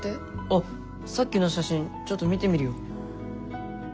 あっさっきの写真ちょっと見てみるよ。